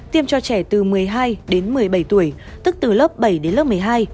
tiêm cho trẻ từ một mươi hai đến một mươi bảy tuổi tức từ lớp bảy đến lớp một mươi hai